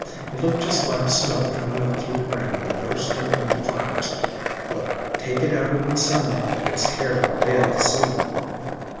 It looked just like snow comin' up through the ground and burstin* into flowers; but take it out in the sun, it 's terrible dead to see.